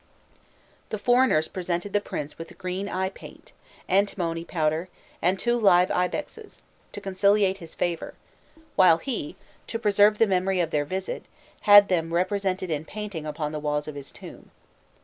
The foreigners presented the prince with green eye paint, antimony powder, and two live ibexes, to conciliate his favour; while he, to preserve the memory of their visit, had them represented in painting upon the walls of his tomb.